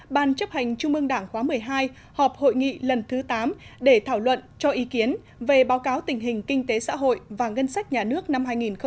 ban chấp hành trung ương đảng khóa một mươi hai họp hội nghị lần thứ tám để thảo luận cho ý kiến về báo cáo tình hình kinh tế xã hội và ngân sách nhà nước năm hai nghìn một mươi chín